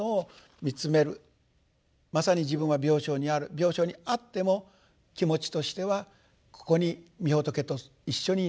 まさに自分は病床にある病床にあっても気持ちとしてはここにみ仏と一緒にいる。